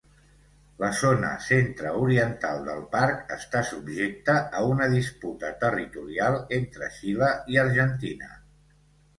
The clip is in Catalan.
La zona centreoriental del parc està subjecta a una disputa territorial entre Xile i Argentina.